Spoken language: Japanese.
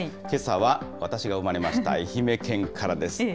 けさは私が生まれました愛媛県からです。